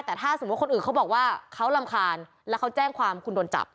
แต่ถ้าสมมุติคนอื่นเขาบอกว่าเขารำคาญแล้วเขาแจ้งความคุณโดนจับ